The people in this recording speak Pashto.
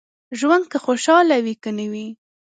ژوند که خوشاله وي که نه وي.